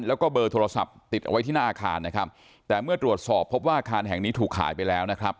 แล้วก็เบอร์โทรศัพท์ติดเอาไว้ที่หน้าอาคารนะครับแต่เมื่อตรวจสอบพบว่าอาคารแห่งนี้ถูกขายไปแล้วนะครับ